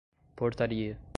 portaria